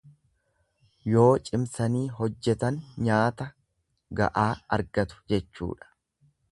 Yoo cimsanii hojjetan nyaata ga'aa argatu jechuudha.